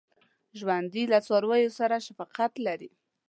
ژوندي له څارویو سره شفقت لري